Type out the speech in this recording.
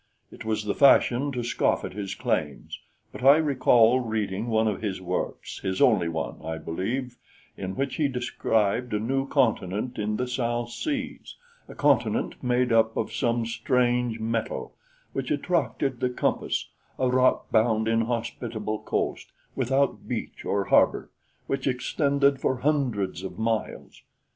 It was the fashion to scoff at his claims, but I recall reading one of his works his only one, I believe in which he described a new continent in the south seas, a continent made up of 'some strange metal' which attracted the compass; a rockbound, inhospitable coast, without beach or harbor, which extended for hundreds of miles.